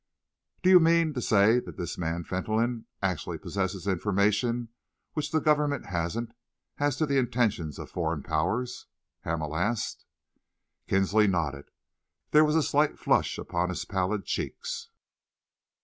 "Do you mean to say that this man Fentolin actually possesses information which the Government hasn't as to the intentions of foreign Powers?" Hamel asked. Kinsley nodded. There was a slight flush upon his pallid cheeks.